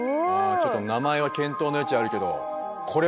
ちょっと名前は検討の余地あるけどこれは欲しい！